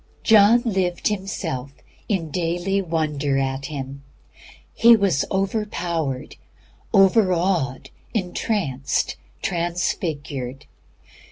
John lived himself in daily wonder at Him; he was overpowered, over awed, entranced, transfigured.